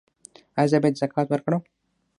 ایا زه باید زکات ورکړم؟